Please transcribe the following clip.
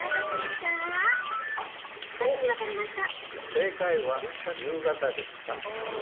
正解は、夕方でした。